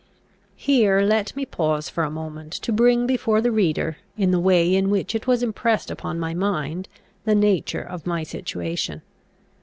Here let me pause for a moment, to bring before the reader, in the way in which it was impressed upon my mind, the nature of my situation.